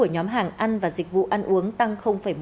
nhóm hàng ăn và dịch vụ ăn uống tăng một mươi